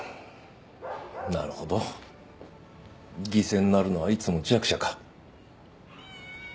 なるほど犠牲になるのはいつも弱者か。